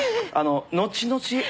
後々。